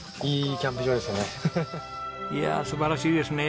いや素晴らしいですね。